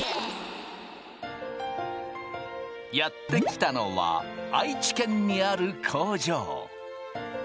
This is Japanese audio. やって来たのは愛知県にある工場。